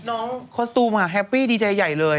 น้องคอสตัวล์ม่่าแฮปปี้ดีใจใหญ่เลย